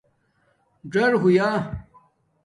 ڎرہویا